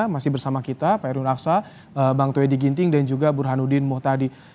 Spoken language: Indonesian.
masih bersama kita pak erwin aksa bang tuyadi ginting dan juga burhanuddin muhtadi